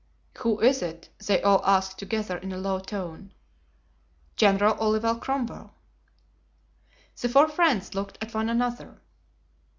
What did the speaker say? "Who is it?" they all asked together in a low tone. "General Oliver Cromwell." The four friends looked at one another.